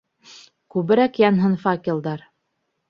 Күберәк янһын факелдар!